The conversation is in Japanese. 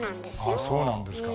あそうなんですか。